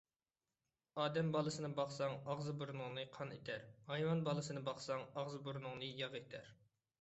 ئادەم بالىسىنى باقساڭ ئاغزى-بۇرنۇڭنى قان ئېتەر، ھايۋان بالىسىنى باقساڭ ئاغزى-بۇرنۇڭنى ياغ ئېتەر.